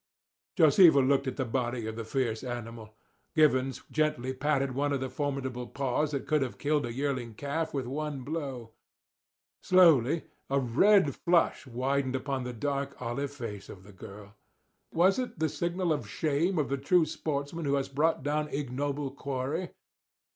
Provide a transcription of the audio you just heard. Josefa looked at the body of the fierce animal. Givens gently patted one of the formidable paws that could have killed a yearling calf with one blow. Slowly a red flush widened upon the dark olive face of the girl. Was it the signal of shame of the true sportsman who has brought down ignoble quarry?